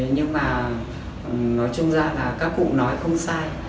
nhưng mà nói chung ra là các cụ nói không sai